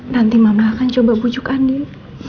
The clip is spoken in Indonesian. nanti mama akan coba bujuk andin